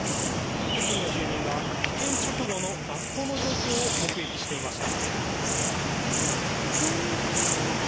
付近の住民が事件直後の学校の状況を目撃していました。